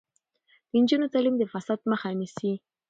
د نجونو تعلیم د فساد مخه نیسي.